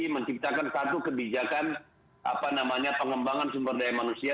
menciptakan satu kebijakan apa namanya pengembangan sumber daya manusia